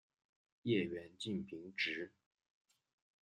叶缘近平直。